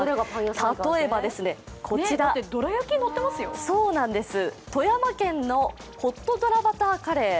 例えばこちら、富山県のホットドラバターカレー。